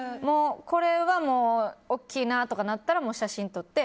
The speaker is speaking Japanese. これはもう大きいなとかなったら写真に撮って。